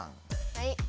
はい。